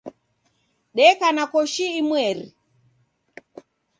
Deka na koshi imweri.